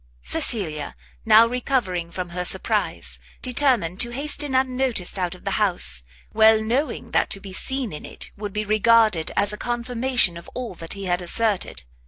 Cecilia now recovering from her surprise, determined to hasten unnoticed out of the house, well knowing that to be seen in it would be regarded as a confirmation of all that he had asserted.